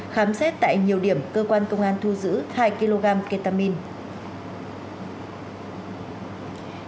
khám xét tại nhiều điểm cơ quan công an thu giữ hai kg ketamin